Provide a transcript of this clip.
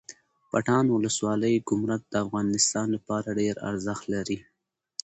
پټان ولسوالۍ ګمرک د افغانستان لپاره ډیره ارزښت لري